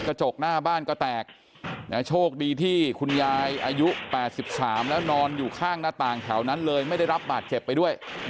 กระจกหน้าบ้านก็แตกโชคดีที่คุณยายอายุ๘๓แล้วนอนอยู่ข้างหน้าต่างแถวนั้นเลยไม่ได้รับบาดเจ็บไปด้วย